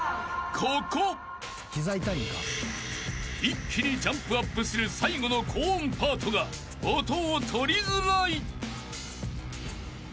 ［一気にジャンプアップする最後の高音パートが音を取りづらい］